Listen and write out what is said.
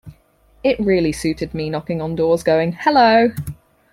It really suited me knocking on doors going Hello!